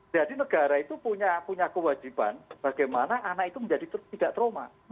jadi negara itu punya kewajiban bagaimana anak itu menjadi tidak trauma